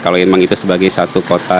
kalau memang itu sebagai satu kota